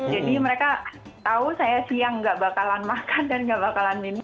jadi mereka tahu saya siang nggak bakalan makan dan nggak bakalan minum